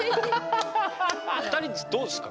２人どうですか？